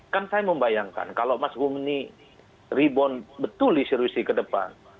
kan saya membayangkan kalau mas gumni ribon betul di sirusi kedepan